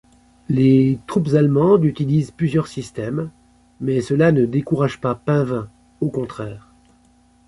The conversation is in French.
Les troupes allemandes utilisent plusieurs systèmes, mais cela ne décourage pas Painvin, au contraire.